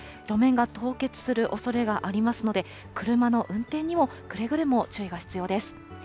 路面が凍結するおそれがありますので、車の運転にもくれぐれも注意が必要です。